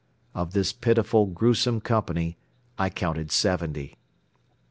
Of this pitiful gruesome company I counted seventy.